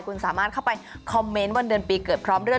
คุณสามารถเข้าไปคอมเมนต์วันเดือนปีเกิดพร้อมด้วย